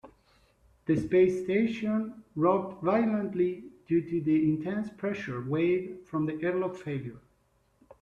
The space station rocked violently due to the intense pressure wave from the airlock failure.